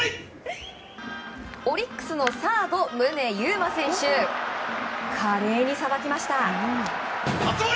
オリックスのサード宗佑磨選手華麗にさばきました。